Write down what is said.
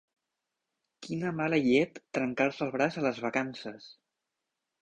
Quina mala llet, trencar-se el braç a les vacances!